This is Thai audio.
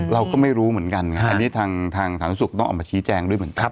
เราก็ไม่รู้เหมือนกันอันนี้ทางสาธารณสุขต้องออกมาชี้แจงด้วยเหมือนกัน